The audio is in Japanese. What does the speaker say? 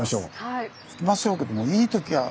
はい。